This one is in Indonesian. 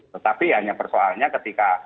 tetapi hanya persoalnya ketika